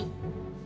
tapi salah aku ya